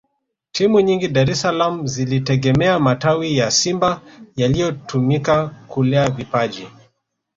Timu nyingi Dar es salaam zilitegemea matawi ya Simba yaliyotumika kulea vipaji